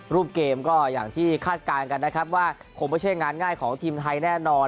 รูปเกมก็อย่างที่คาดการณ์กันนะครับว่าคงไม่ใช่งานง่ายของทีมไทยแน่นอน